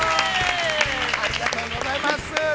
◆ありがとうございます。